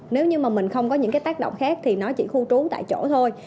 nếu như mình không có những tác động khác thì nó chỉ khu trú tại chỗ thôi